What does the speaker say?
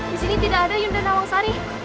disini tidak ada yunda nawang sari